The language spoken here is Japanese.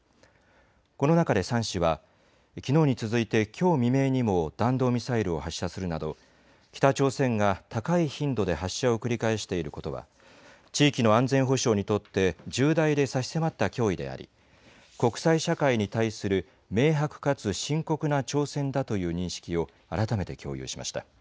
この中で３氏は、きのうに続いてきょう未明にも弾道ミサイルを発射するなど、北朝鮮が高い頻度で発射を繰り返していることは地域の安全保障にとって、重大で差し迫った脅威であり、国際社会に対する明白かつ深刻な挑戦だという認識を改めて共有しました。